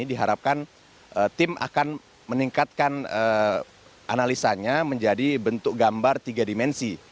diharapkan tim akan meningkatkan analisanya menjadi bentuk gambar tiga dimensi